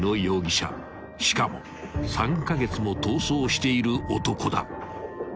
［しかも３カ月も逃走している男だ］